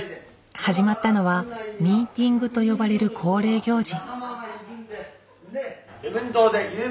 始まったのは「ミーティング」と呼ばれる恒例行事。